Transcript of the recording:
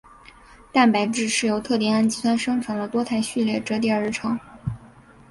蛋白质是由特定氨基酸生成的多肽序列折叠而成。